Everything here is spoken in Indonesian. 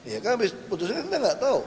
ya kan putusannya kita nggak tahu